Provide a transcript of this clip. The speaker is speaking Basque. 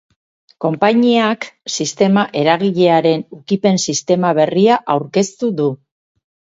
Konpainiak sistema eragilearen ukipen-sistema berria aurkeztu du.